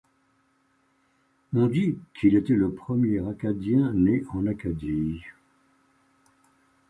On dit qu'il était le premier Acadien né en Acadie.